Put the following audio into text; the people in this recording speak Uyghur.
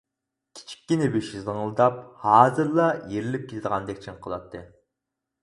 كىچىككىنە بېشى زىڭىلداپ، ھازىرلا يېرىلىپ كېتىدىغاندەك چىڭقىلاتتى.